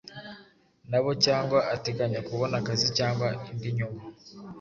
nabo cyangwa ateganya kubona akazi cyangwa indi nyungu.